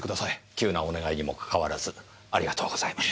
急なお願いにもかかわらずありがとうございます。